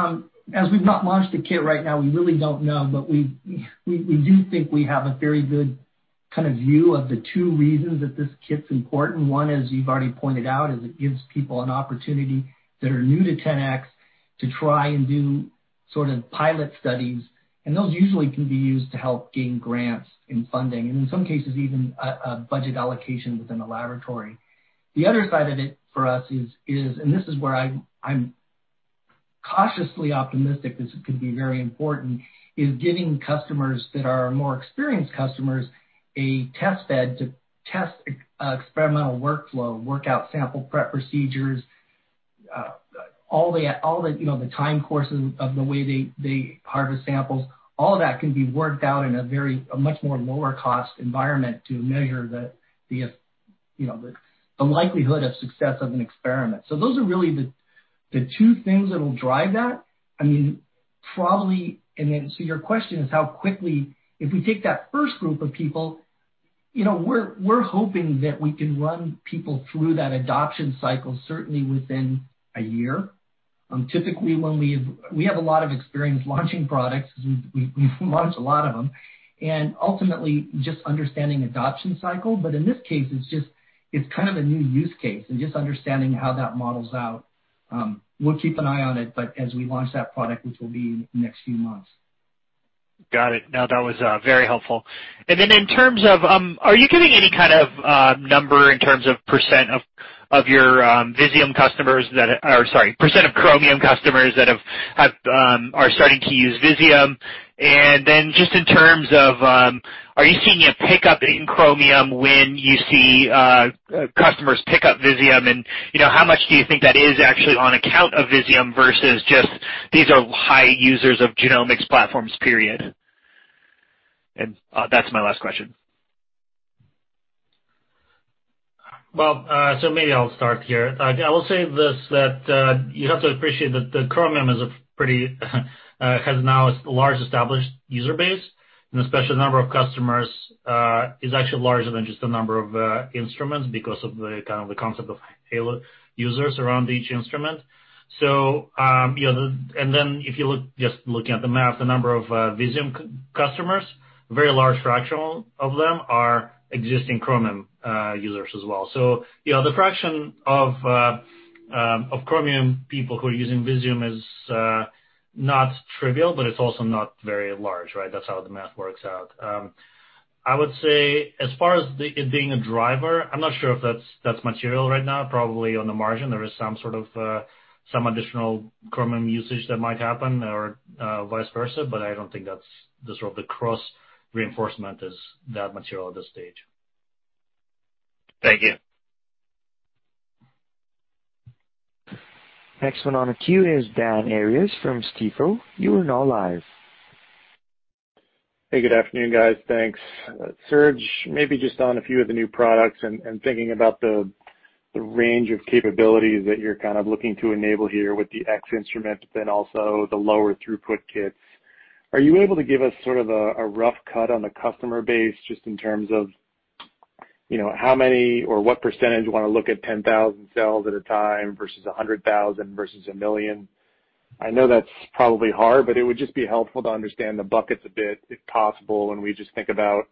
As we've not launched the kit right now, we really don't know, but we do think we have a very good view of the two reasons that this kit's important. One, as you've already pointed out, is it gives people an opportunity that are new to 10x to try and do pilot studies, and those usually can be used to help gain grants and funding, and in some cases, even budget allocations within the laboratory. The other side of it for us is, and this is where I'm cautiously optimistic this could be very important, is getting customers that are more experienced customers a test bed to test experimental workflow, work out sample prep procedures, all the time courses of the way they harvest samples. All of that can be worked out in a much more lower cost environment to measure the likelihood of success of an experiment. Those are really the two things that will drive that. Your question is how quickly, if we take that first group of people, we're hoping that we can run people through that adoption cycle certainly within a year. We have a lot of experience launching products because we've launched a lot of them, and ultimately, just understanding adoption cycle. In this case, it's kind of a new use case and just understanding how that models out. We'll keep an eye on it, as we launch that product, which will be next few months. Got it. No, that was very helpful. Are you giving any kind of number in terms of percent of Chromium customers that are starting to use Visium? Just in terms of, are you seeing a pickup in Chromium when you see customers pick up Visium, and how much do you think that is actually on account of Visium versus just these are high users of genomics platforms, period? That's my last question. Well, maybe I'll start here. I will say this, that you have to appreciate that the Chromium has now a large established user base, and especially the number of customers is actually larger than just the number of instruments because of the concept of halo users around each instrument. If you look just looking at the math, the number of Visium customers, very large fraction of them are existing Chromium users as well. The fraction of Chromium people who are using Visium is not trivial, but it's also not very large, right? That's how the math works out. I would say, as far as it being a driver, I'm not sure if that's material right now. Probably on the margin, there is some additional Chromium usage that might happen or vice versa. I don't think that sort of the cross reinforcement is that material at this stage. Thank you. Next one on the queue is Dan Arias from Stifel. Hey, good afternoon, guys. Thanks. Serge, maybe just on a few of the new products and thinking about the range of capabilities that you're kind of looking to enable here with the X instrument, but then also the lower throughput kits. Are you able to give us sort of a rough cut on the customer base, just in terms of how many or what percentage want to look at 10,000 cells at a time versus 100,000 versus 1 million? I know that's probably hard, but it would just be helpful to understand the buckets a bit, if possible, when we just think about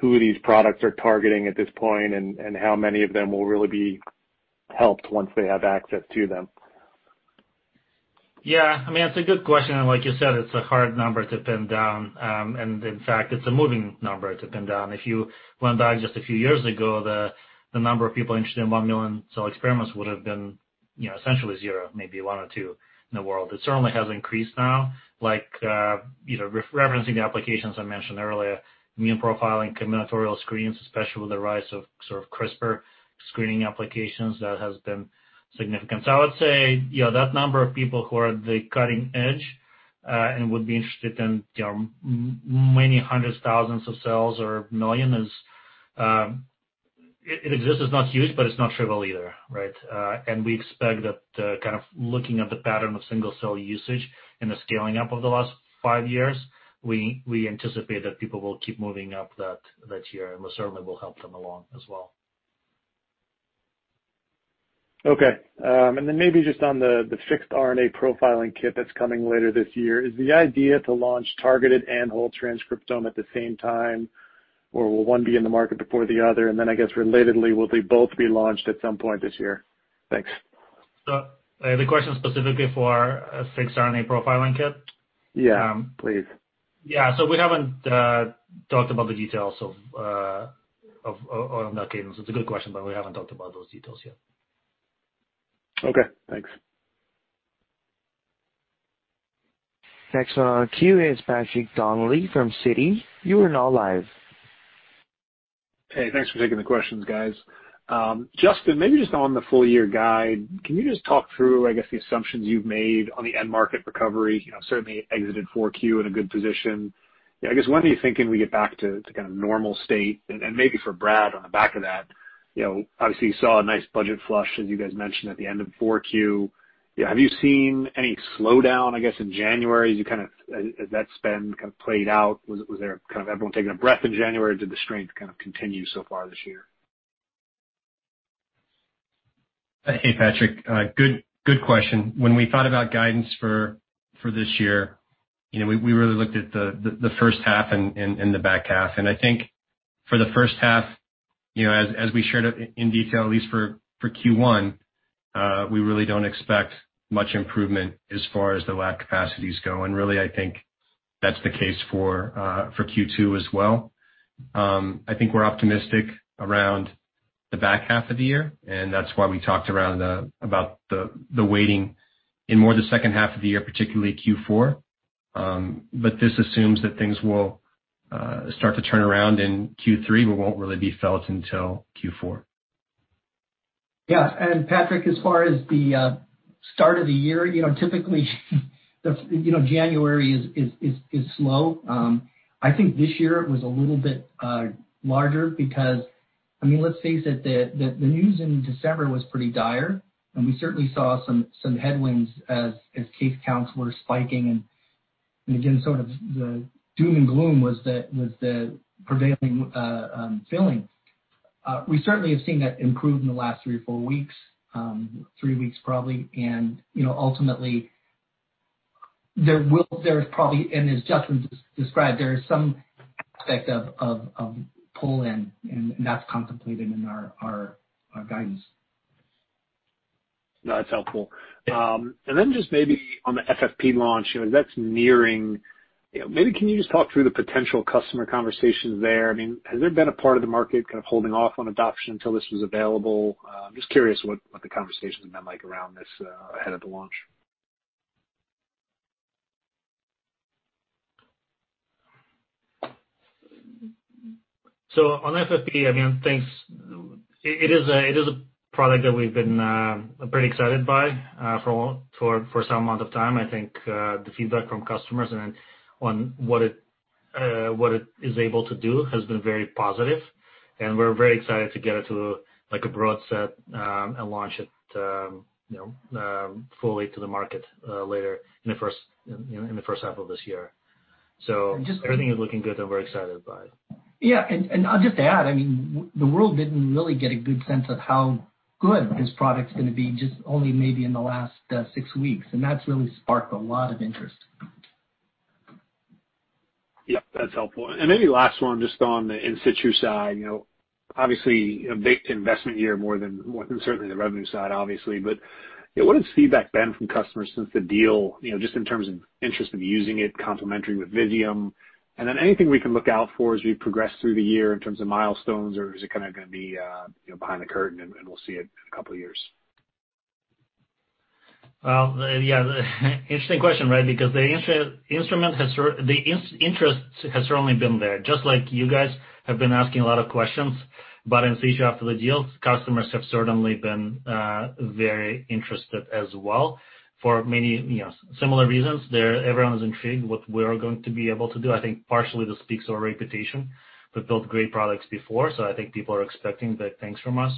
who these products are targeting at this point and how many of them will really be helped once they have access to them? Yeah. I mean, that's a good question, and like you said, it's a hard number to pin down. In fact, it's a moving number to pin down. If you went back just a few years ago, the number of people interested in one million cell experiments would have been essentially zero, maybe one or two in the world. It certainly has increased now, like referencing the applications I mentioned earlier, immune profiling, combinatorial screens, especially with the rise of sort of CRISPR screening applications, that has been significant. I would say, that number of people who are at the cutting edge, and would be interested in many hundreds, thousands of cells or million, it exists. It's not huge, but it's not trivial either, right? We expect that kind of looking at the pattern of single-cell usage and the scaling up of the last five years, we anticipate that people will keep moving up that tier, and we certainly will help them along as well. Okay. Maybe just on the fixed RNA profiling kit that's coming later this year. Is the idea to launch targeted and whole transcriptome at the same time, or will one be in the market before the other? I guess relatedly, will they both be launched at some point this year? Thanks. The question is specifically for a fixed RNA profiling kit? Yeah, please. Yeah. We haven't talked about the details of that, Dan. It's a good question, but we haven't talked about those details yet. Okay, thanks. Next on our queue is Patrick Donnelly from Citi. You are now live. Hey, thanks for taking the questions, guys. Justin, maybe just on the full year guide, can you just talk through, I guess, the assumptions you've made on the end market recovery? Certainly exited 4Q in a good position. I guess, when are you thinking we get back to kind of normal state? Maybe for Brad, on the back of that, obviously you saw a nice budget flush, as you guys mentioned at the end of 4Q. Have you seen any slowdown, I guess, in January as that spend kind of played out? Was there kind of everyone taking a breath in January, or did the strength kind of continue so far this year? Hey, Patrick. Good question. When we thought about guidance for this year, we really looked at the first half and the back half. I think for the first half, as we shared in detail, at least for Q1, we really don't expect much improvement as far as the lab capacities go. Really, I think that's the case for Q2 as well. I think we're optimistic around the back half of the year, and that's why we talked about the waiting in more the second half of the year, particularly Q4. This assumes that things will start to turn around in Q3, but won't really be felt until Q4. Yeah. Patrick, as far as the start of the year, typically January is slow. I think this year it was a little bit larger because, I mean, let's face it, the news in December was pretty dire, and we certainly saw some headwinds as case counts were spiking, and again, sort of the doom and gloom was the prevailing feeling. We certainly have seen that improve in the last three or four weeks, three weeks probably, and ultimately, and as Justin described, there is some aspect of pull-in, and that's contemplated in our guidance. No, that's helpful. Yeah. Just maybe on the FFPE launch, as that's nearing, maybe can you just talk through the potential customer conversations there? I mean, has there been a part of the market kind of holding off on adoption until this was available? I'm just curious what the conversation's been like around this ahead of the launch? On FFPE, again, thanks. It is a product that we've been pretty excited by for some amount of time. I think, the feedback from customers and on what it is able to do has been very positive, and we're very excited to get it to a broad set and launch it fully to the market later in the first half of this year. Everything is looking good and we're excited by it. Yeah. I'll just add, the world didn't really get a good sense of how good this product's going to be, just only maybe in the last six weeks, and that's really sparked a lot of interest. Yeah, that's helpful. Maybe last one, just on the in situ side. Obviously, a big investment year more than certainly the revenue side, obviously. What has feedback been from customers since the deal, just in terms of interest in using it complementary with Visium? Then anything we can look out for as we progress through the year in terms of milestones, or is it going to be behind the curtain and we'll see it in a couple of years? Well, yeah. Interesting question, right? The interest has certainly been there. Just like you guys have been asking a lot of questions about In Situ after the deal, customers have certainly been very interested as well for many similar reasons there. Everyone is intrigued what we are going to be able to do. I think partially this speaks to our reputation. We've built great products before. I think people are expecting big things from us.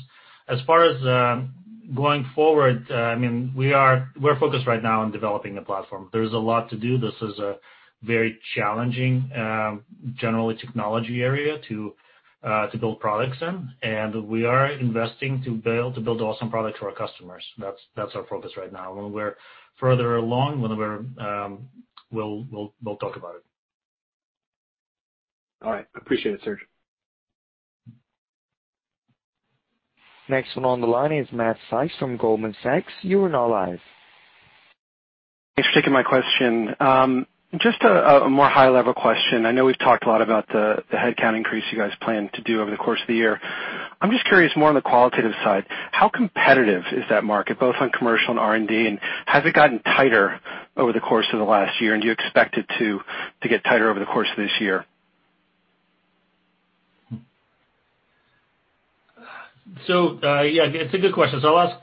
As far as going forward, we're focused right now on developing the platform. There's a lot to do. This is a very challenging, generally, technology area to build products in. We are investing to build awesome products for our customers. That's our focus right now. When we're further along, we'll talk about it. All right. Appreciate it, Serge. Next one on the line is Matt Sykes from Goldman Sachs. You are now live. Thanks for taking my question. Just a more high level question. I know we've talked a lot about the headcount increase you guys plan to do over the course of the year. I'm just curious more on the qualitative side, how competitive is that market, both on commercial and R&D, and has it gotten tighter over the course of the last year? Do you expect it to get tighter over the course of this year? Yeah. It's a good question. I'll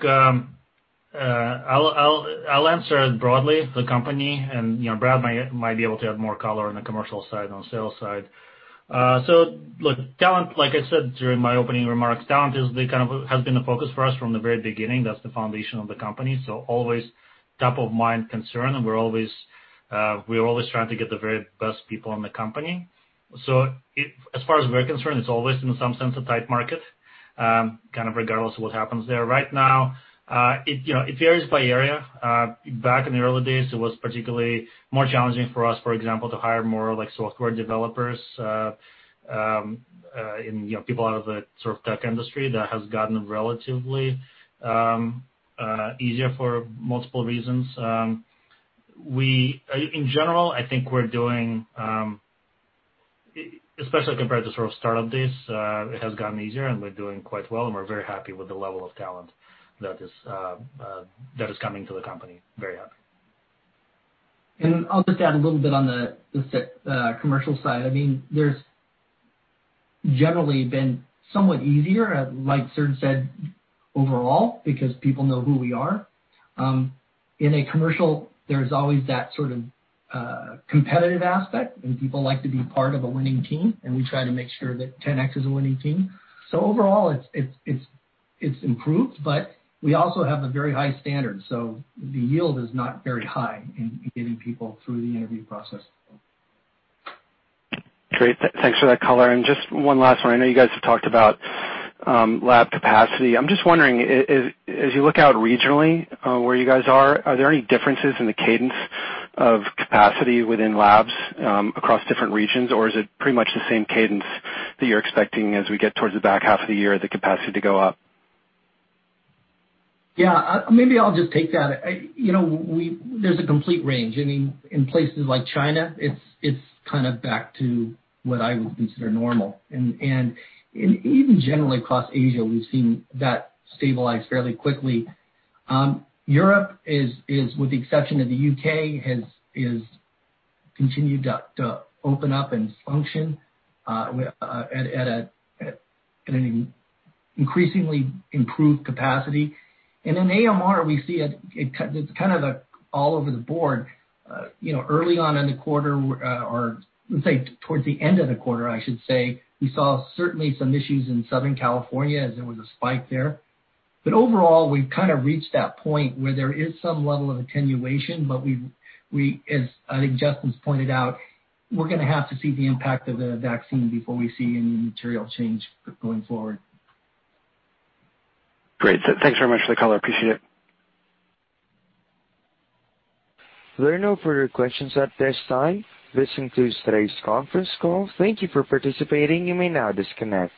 answer it broadly, the company, and Brad might be able to add more color on the commercial side, on sales side. Look, like I said during my opening remarks, talent has been a focus for us from the very beginning. That's the foundation of the company. Always top of mind concern, and we're always trying to get the very best people in the company. As far as we're concerned, it's always in some sense a tight market, regardless of what happens there. Right now, it varies by area. Back in the early days, it was particularly more challenging for us, for example, to hire more software developers and people out of the tech industry. That has gotten relatively easier for multiple reasons. In general, I think we're doing, especially compared to sort of startup days, it has gotten easier and we're doing quite well, and we're very happy with the level of talent that is coming to the company. Very happy. I'll just add a little bit on the commercial side. There's generally been somewhat easier, like Serge said, overall, because people know who we are. In a commercial, there's always that sort of competitive aspect and people like to be part of a winning team, and we try to make sure that 10x Genomics is a winning team. Overall it's improved, but we also have a very high standard, so the yield is not very high in getting people through the interview process. Great. Thanks for that color. Just one last one. I know you guys have talked about lab capacity. I'm just wondering, as you look out regionally where you guys are there any differences in the cadence of capacity within labs across different regions, or is it pretty much the same cadence that you're expecting as we get towards the back half of the year, the capacity to go up? Yeah. Maybe I'll just take that. There's a complete range. In places like China, it's back to what I would consider normal. Even generally across Asia, we've seen that stabilize fairly quickly. Europe, with the exception of the U.K., has continued to open up and function at an increasingly improved capacity. In AMER, we see it's kind of all over the board. Early on in the quarter or, let's say, towards the end of the quarter, I should say, we saw certainly some issues in Southern California as there was a spike there. Overall, we've reached that point where there is some level of attenuation, but as I think Justin's pointed out, we're going to have to see the impact of the vaccine before we see any material change going forward. Great. Thanks very much for the color. Appreciate it. There are no further questions at this time. This concludes today's conference call. Thank you for participating. You may now disconnect.